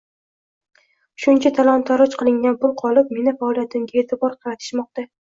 Shuncha talon-taroj qilingan pul qolib, meni faoliyatimqga eʼtibor qaratishmoqda.